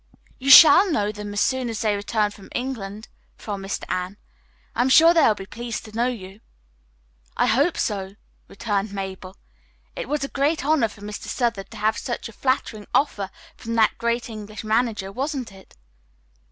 "You shall know them as soon as they return from England," promised Anne. "I am sure they will be pleased to know you." "I hope so," returned Mabel. "It was a great honor for Mr. Southard to have such a flattering offer from that great English manager, wasn't it?"